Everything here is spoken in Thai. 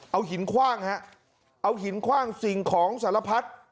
เอาหินคว่างฮะเอาหินคว่างสิ่งของสารพัด